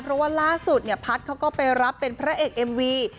เพราะว่าล่าสุดเนี่ยพัฒน์เขาก็ไปรับเป็นพระเอกเอ็มวี